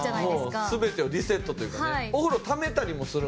もう全てをリセットというかね。